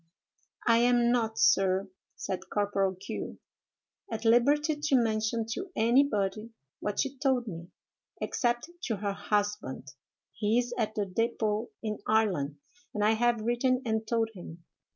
"'I am not, sir,' said Corporal Q——, 'at liberty to mention to anybody what she told me, except to her husband. He is at the dépôt in Ireland, and I have written and told him.